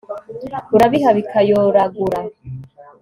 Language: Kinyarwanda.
urabiha bikayoragura